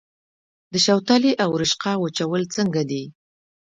د شوتلې او رشقه وچول څنګه دي؟